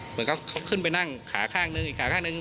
เหมือนเขาขึ้นไปนั่งขาข้างหนึ่งอีกขาข้างหนึ่ง